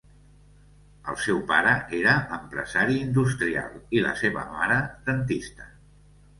El seu pare era empresari industrial i, la seva mare, dentista.